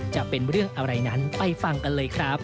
จะเป็นเรื่องอะไรนั้นไปฟังกันเลยครับ